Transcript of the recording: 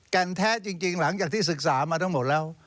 แก่นแท้จริงหลังจากที่ศึกษามาทั้งหมดแล้ว